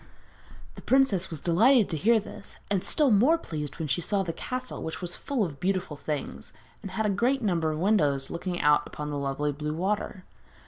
The princess was delighted to hear this, and still more pleased when she saw the castle, which was full of beautiful things, and had a great number of windows looking out on the lovely blue water.